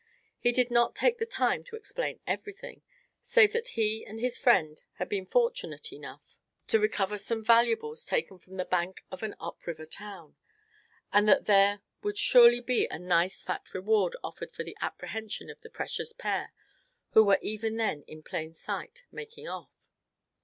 He did not take the time to explain everything, save that he and his friend had been fortunate enough to recover some valuables taken from the bank of an up river town, and that there would surely be a nice fat reward offered for the apprehension of the precious pair who were even then in plain sight, making off.